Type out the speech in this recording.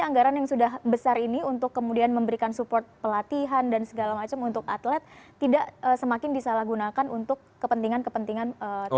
anggaran yang sudah besar ini untuk kemudian memberikan support pelatihan dan segala macam untuk atlet tidak semakin disalahgunakan untuk kepentingan kepentingan tertentu